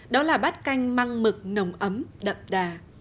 đó là bát canh măng mực nồng ấm đậm đà